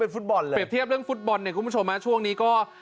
เปรียบเทียบเรื่องฟุตบอลคุณผู้ชมมาช่วงนี้ก็